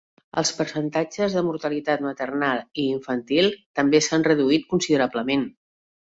Els percentatges de mortalitat maternal i infantil també s'han reduït considerablement.